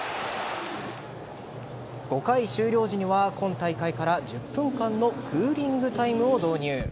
５回終了時には今大会から１０分間のクーリングタイムを導入。